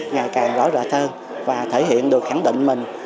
ngày càng rõ rõ thơ và thể hiện được khẳng định mình